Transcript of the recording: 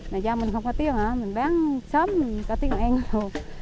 này do mình không có tiền hả mình bán sớm mình có tiền của anh rồi